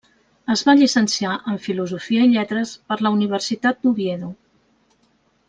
Es va llicenciar en Filosofia i Lletres per la Universitat d'Oviedo.